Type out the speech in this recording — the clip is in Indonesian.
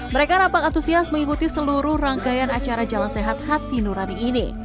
mereka rapat antusias mengikuti seluruh rangkaian acara jalan sehat hati nurani ini